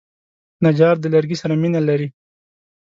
نجار د لرګي سره مینه لري.